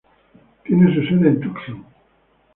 Tiene su sede en Tucson.